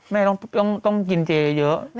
แม่ต้องกินเจเยอะ